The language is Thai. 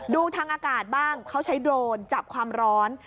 ดูทางอากาศบ้างเขาใช้โดรนจับความร้อน